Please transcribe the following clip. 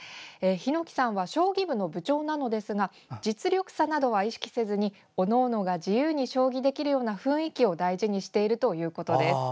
檜さんは将棋部の部長なのですが実力差などは意識せずにおのおのが自由に将棋できるような雰囲気を大事にしているということです。